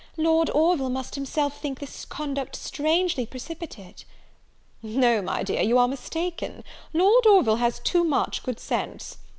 Lord Orville must himself think this conduct strangely precipitate." "No, my dear, you are mistaken; Lord Orville has too much good sense.